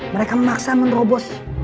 mereka memaksa menerobos